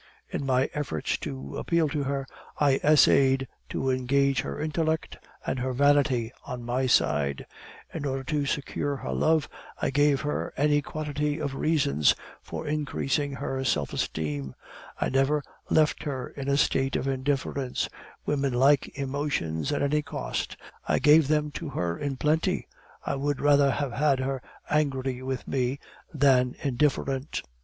In my efforts to appeal to her, I essayed to engage her intellect and her vanity on my side; in order to secure her love, I gave her any quantity of reasons for increasing her self esteem; I never left her in a state of indifference; women like emotions at any cost, I gave them to her in plenty; I would rather have had her angry with me than indifferent.